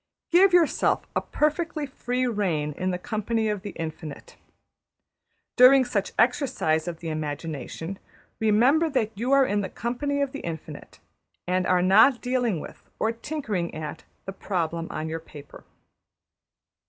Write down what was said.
Give yourself a perfectly free rein in the company of the Infinite. During such exercise of the imagination, remember that you are in the company of the Infinite, and are not dealing with, or tinkering at, the problem on your paper.